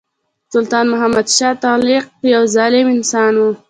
سلطان محمدشاه تغلق یو ظالم انسان وو.